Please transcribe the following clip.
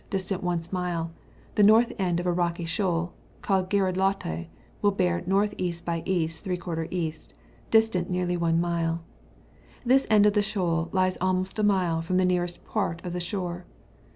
distant one mile, the north end of a rocky shoal, called Gerelote, will bear N.E. by E. } E., distant nearly one nule : this end of the shoal lies almost a mile from the nearest part of the shore.